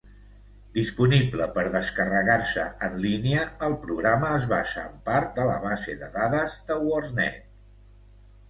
Disponible per descarregar-se en línia, el programa es basa en part de la base de dades de WordNet.